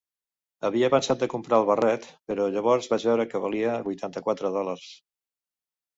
Havia pensat de comprar el barret, però llavors vaig veure que valia vuitanta-quatre dòlars.